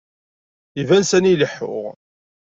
Iban sani ileḥḥu.